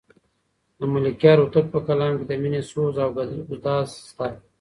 د ملکیار هوتک په کلام کې د مینې سوز او ګداز شته.